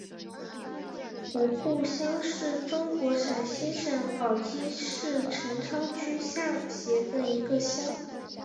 胡店乡是中国陕西省宝鸡市陈仓区下辖的一个乡。